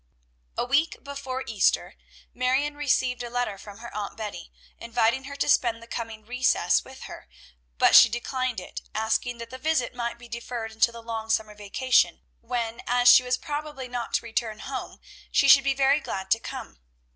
A week before Easter, Marion received a letter from her Aunt Betty, inviting her to spend the coming recess with her; but she declined it, asking that the visit might be deferred until the long summer vacation, when, as she was probably not to return home, she should be very glad to come.